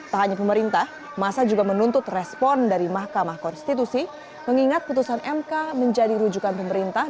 tak hanya pemerintah masa juga menuntut respon dari mahkamah konstitusi mengingat putusan mk menjadi rujukan pemerintah